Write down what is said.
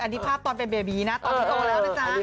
อันนี้ภาพตอนเป็นเบบีนะตอนนี้โตแล้วนะจ๊ะ